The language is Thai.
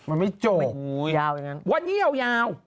ก็ไม่โจ้งวันนี้ยาว